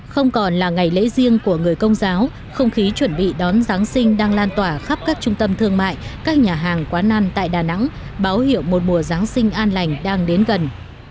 không còn là ngày lễ riêng của người công giáo không khí chuẩn bị đón giáng sinh đang lan tỏa khắp các trung tâm thương mại các nhà hàng quán ăn tại đà nẵng báo hiệu một mùa giáng sinh an lành đang đến gần